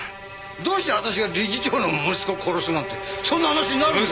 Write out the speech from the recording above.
どうして私が理事長の息子を殺すなんてそんな話になるんですか？